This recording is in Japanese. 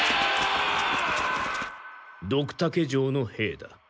ドクタケ城の兵だ。